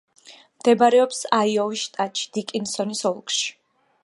მდებარეობს აიოვის შტატში, დიკინსონის ოლქში.